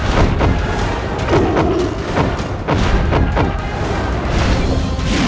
jaga dewa batara